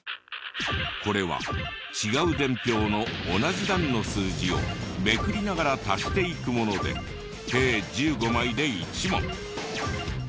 これは違う伝票の同じ段の数字をめくりながら足していくもので計１５枚で１問。